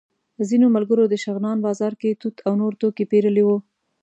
ځینو ملګرو د شغنان بازار کې توت او نور توکي پېرلي وو.